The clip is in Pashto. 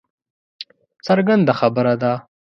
څرګنده خبره ده